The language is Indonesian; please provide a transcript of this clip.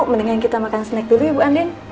mendingan kita makan snack dulu ya bu andden